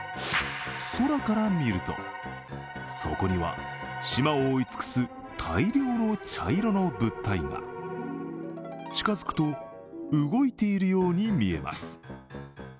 空から見ると、そこには島を覆い尽くす大量の茶色の物体が近づくと、動いているように見えます。